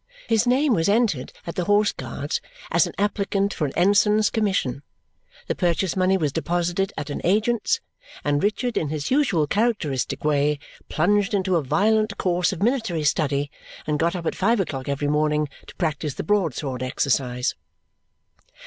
His name was entered at the Horse Guards as an applicant for an ensign's commission; the purchase money was deposited at an agent's; and Richard, in his usual characteristic way, plunged into a violent course of military study and got up at five o'clock every morning to practise the broadsword exercise.